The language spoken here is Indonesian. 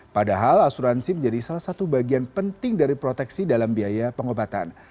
padahal asuransi menjadi salah satu bagian penting dari proteksi dalam biaya pengobatan